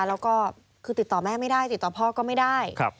แล้วก็คือติดต่อแม่ไม่ได้ติดต่อพ่อก็ไม่ได้